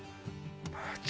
マジ？